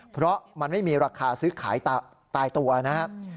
เพราะมันไม่มีราคาซื้อขายตายตัวนะครับ